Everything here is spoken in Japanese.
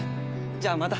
じゃあまた。